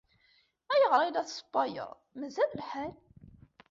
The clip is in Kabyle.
Ayɣer ay la tessewwayeḍ? Mazal lḥal.